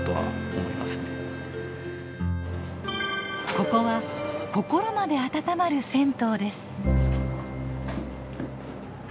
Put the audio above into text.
ここは心まであたたまる銭湯です。